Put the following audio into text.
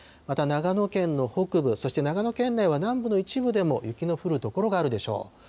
また長野県の北部、そして長野県内は南部の一部でも雪の降る所があるでしょう。